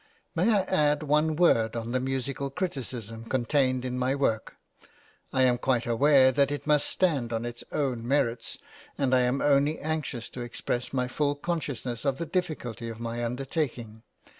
May I add one word on the musical criticism contained in my work? I am quite aware that it must stand on its own merits, and I am only anxious to express my full consciousness of the difficulty of my undertaking.